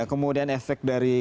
kemudian efek dari